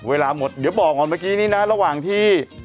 เวลาหมดเดี๋ยวบอกก่อนเมื่อกี้นี้นะระหว่างที่